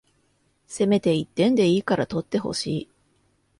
せめて一点でいいから取ってほしい